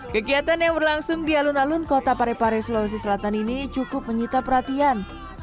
kegiatan yang berlangsung di alun alun kota parepare sulawesi selatan ini cukup menyita perhatian